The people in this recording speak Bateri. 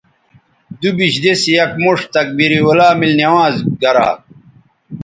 دوبیش دِس یک موݜ تکبیر اولیٰ میل نماز گرا